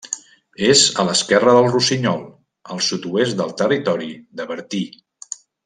És a l'esquerra del Rossinyol, al sud-oest del territori de Bertí.